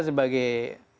sebagai ya menurut